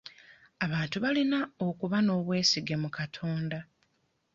Abantu bayina okuba n'obwesige mu Katonda.